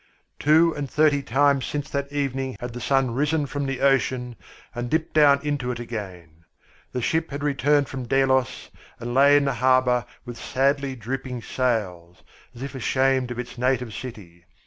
Two and thirty times since that evening had the sun risen from the ocean and dipped down into it again. The ship had returned from Delos and lay in the harbour with sadly drooping sails, as if ashamed of its native city.